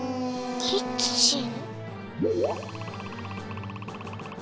キッチン？